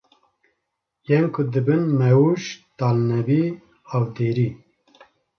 Yên ku dibin mewûj talnebî, avdêrî